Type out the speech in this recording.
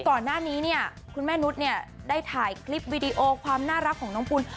ก่อนหน้านี้เนี่ยคุณแม่นุษย์เนี่ยได้ถ่ายคลิปวิดีโอความน่ารักของน้องปุ่น